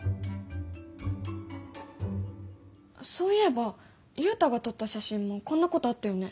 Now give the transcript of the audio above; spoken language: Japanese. そういえばユウタが撮った写真もこんなことあったよね？